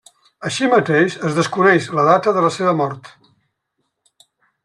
Així mateix es desconeix la data de la seva mort.